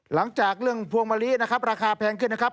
หลังจากเรื่องพวงมะลินะครับราคาแพงขึ้นนะครับ